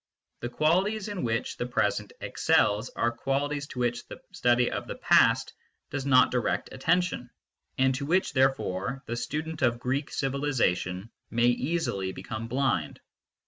The qualities in which the present excels are qualities to which the study of the past does not direct attention, and to which, therefore, the student of Greek civilisation may easily become blind.